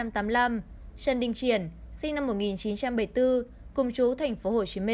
trần đình triển sinh năm một nghìn chín trăm bảy mươi bốn cùng chú tp hcm